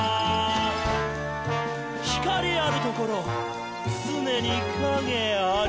「光あるところ、つねに影あり！」